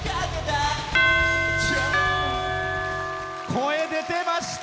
声、出てました！